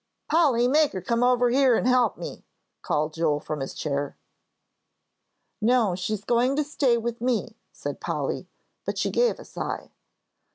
"Polly, make her come over and help me," called Joel, from his chair. "No, she is going to stay with me," said Polly, but she gave a sigh.